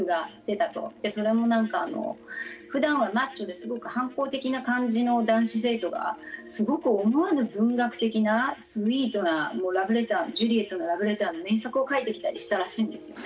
それもふだんはマッチョですごく反抗的な感じの男子生徒がすごく思わぬ文学的なスイートなラブレタージュリエットのラブレターの名作を書いてきたりしたらしいんですよね。